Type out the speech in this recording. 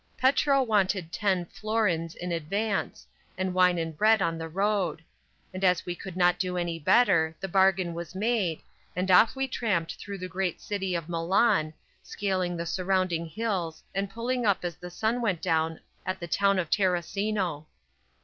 Petro wanted ten "florins" in advance, and wine and bread on the road; and as we could not do any better, the bargain was made, and off we tramped through the great city of Milan, scaling the surrounding hills and pulling up as the sun went down at the town of Terracino.